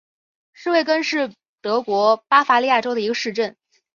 施魏根是德国巴伐利亚州的一个市镇。